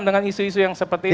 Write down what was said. dengan isu isu yang seperti ini